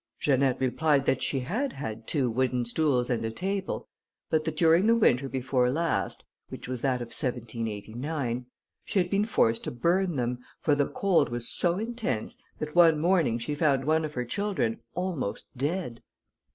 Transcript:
Janette replied that she had had two wooden stools and a table, but that during the winter before last, which was that of 1789, she had been forced to burn them, for the cold was so intense, that one morning she found one of her children almost dead.